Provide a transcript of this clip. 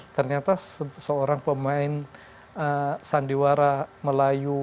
ternyata seorang pemain sandiwara melayu